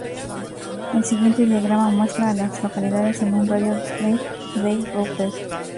El siguiente diagrama muestra a las localidades en un radio de de Roper.